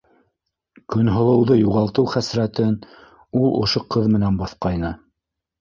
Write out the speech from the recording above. Көнһылыуҙы юғалтыу хәсрәтен ул ошо ҡыҙ менән баҫҡайны.